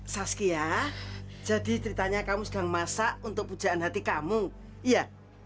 saskia jadi ceritanya kamu sedang masak untuk pujaan hati kamu iya